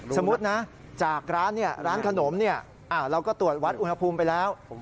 สมมุตินะจากร้านขนมเราก็ตรวจวัดอุณหภูมิไปแล้ว